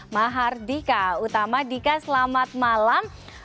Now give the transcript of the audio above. maha hardika utama dika selamat malam